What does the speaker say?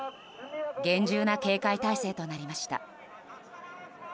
厳重な警戒態勢となりました。